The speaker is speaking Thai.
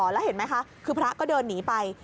แล้วเห็นไหมคะคือพระก็เดินหนีไป